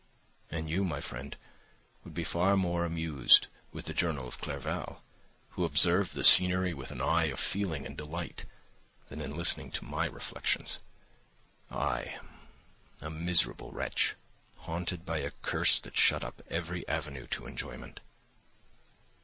And you, my friend, would be far more amused with the journal of Clerval, who observed the scenery with an eye of feeling and delight, than in listening to my reflections. I, a miserable wretch, haunted by a curse that shut up every avenue to enjoyment.